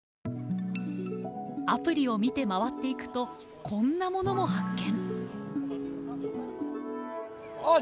アプリを見て回っていくとこんなものも発見。